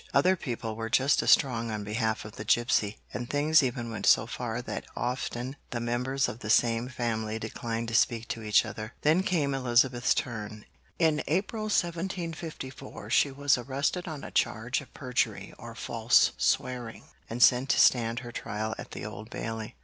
Other people were just as strong on behalf of the gipsy, and things even went so far that often the members of the same family declined to speak to each other. Then came Elizabeth's turn. In April 1754 she was arrested on a charge of perjury or false swearing, and sent to stand her trial at the Old Bailey.